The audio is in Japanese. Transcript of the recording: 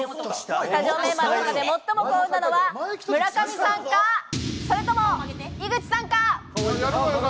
スタジオメンバーの中で最も幸運なのは村上さんか、それとも井口さんか？